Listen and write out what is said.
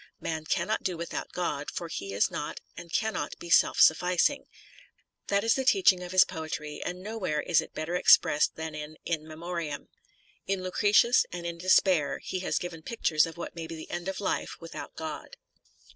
Man cannot do without God, for he is not and cannot be self sufficing. That is the teaching of his poetry, and nowhere is • Preface to " God and the Bible." 252 TENNYSON it better expressed thali in " In Memoriam." In " Lucretius " and in " Despair " he has given pictures of what may be the end of a life without God.